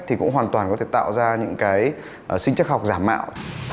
thì cũng hoàn toàn có thể tạo ra những sinh chắc học giảm mạo